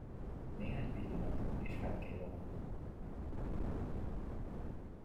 Néhány pillanat, és felkél a nap.